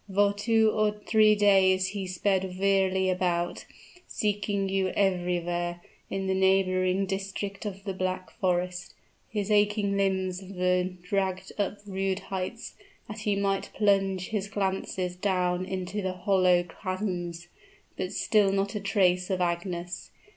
For two or three days he sped wearily about, seeking you everywhere in the neighboring district of the Black Forest. His aching limbs were dragged up rude heights, that he might plunge his glances down into the hollow chasms; but still not a trace of Agnes!